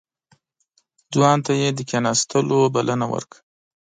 ځوان ته يې د کېناستو بلنه ورکړه.